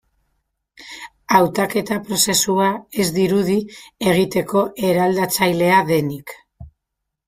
Hautaketa prozesua ez dirudi egiteko eraldatzailea denik.